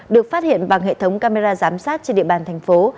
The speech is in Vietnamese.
được phát hiện bằng hệ thống camera giám sát trên địa bàn thành phố